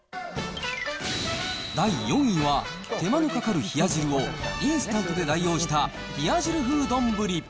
第４位は、手間のかかる冷や汁をインスタントで代用した冷や汁風丼。